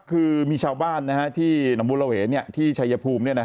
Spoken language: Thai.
คือมีชาวบ้านที่หนองบุราเหยยี่ที่ชายภูมิเนี่ย